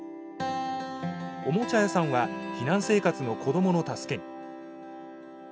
おもちゃ屋さんは避難生活の子どもの助けに。